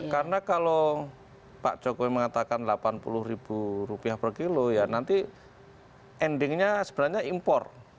karena kalau pak jokowi mengatakan delapan puluh ribu rupiah per kilo ya nanti endingnya sebenarnya impor